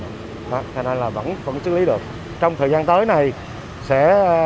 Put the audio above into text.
đó thế nên là vẫn xử lý được trong thời gian tới này sẽ